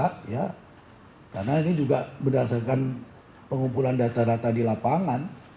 karena ini juga berdasarkan pengumpulan data rata di lapangan